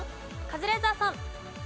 カズレーザーさん。